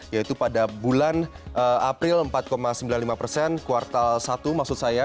yaitu pada bulan april empat sembilan puluh lima persen kuartal satu maksud saya